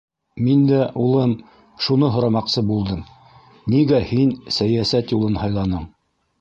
Мин дә, улым, шуны һорамаҡсы булдым: нигә һин сәйәсәт юлын һайланың?